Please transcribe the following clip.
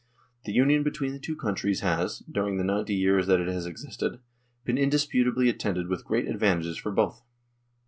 The Union between the two countries has, during the ninety years that it has existed, been indisputably attended with great advantages for both.